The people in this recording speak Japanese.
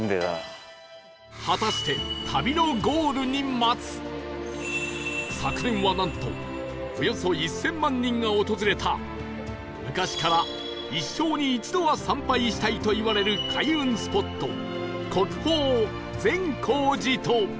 果たして旅のゴールに待つ昨年はなんとおよそ１０００万人が訪れた昔から一生に一度は参拝したいといわれる開運スポット国宝善光寺と